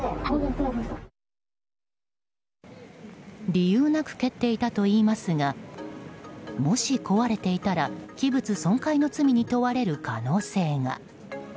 理由なく蹴っていたといいますがもし壊れていたら器物損壊の罪に問われる可能性が。